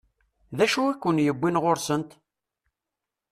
D acu i ken-yewwin ɣur-sent?